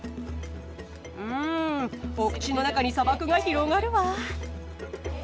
うんお口の中に砂漠が広がるわ。